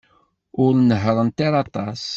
Ur nehhṛent ara aṭas.